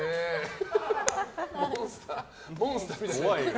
モンスターみたい。